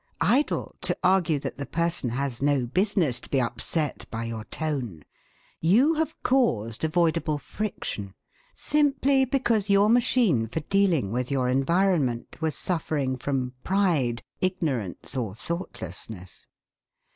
Idle to argue that the person has no business to be upset by your tone! You have caused avoidable friction, simply because your machine for dealing with your environment was suffering from pride, ignorance, or thoughtlessness.